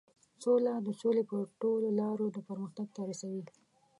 سوله د سولې په ټولو لارو د پرمختګ ته رسوي.